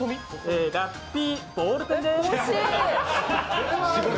ラッピーボールペンです。